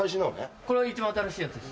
これが一番新しいやつです。